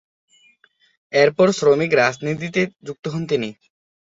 এরপর শ্রমিক রাজনীতিতে যুক্ত হন তিনি।